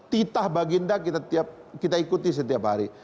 titah baginda kita ikuti setiap hari